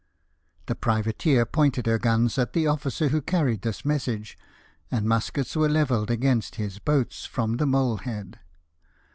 The priva teer pointed her guns at the officer who carried this message, and muskets were levelled against his boats from the mole head.